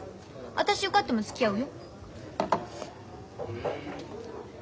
私受かってもつきあうよ。